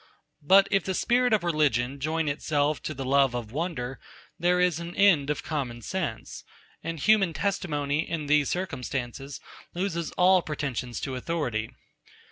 But if the spirit of religion join itself to the love of wonder, there is an end of common sense; and human testimony, in these circumstances, loses all pretensions to authority.